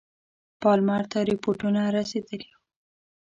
پالمر ته رپوټونه رسېدلي وه.